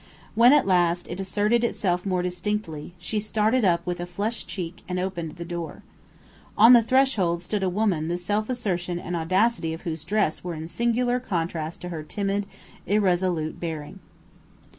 When at last it asserted itself more distinctly, she started up with a flushed cheek and opened the door. On the threshold stood a woman the self assertion and audacity of whose dress were in singular contrast to her timid, irresolute bearing.